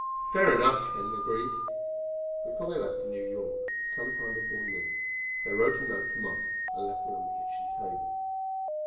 "Fair enough," Ken agreed. Before they left for New York, some time before noon, they wrote a note to Mom and left it on the kitchen table.